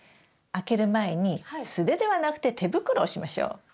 開ける前に素手ではなくて手袋をしましょう。